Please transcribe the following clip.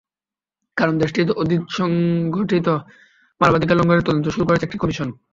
কারণ দেশটিতে অতীতে সংঘটিত মানবাধিকার লঙ্ঘনের তদন্ত শুরু করেছে একটি কমিশন।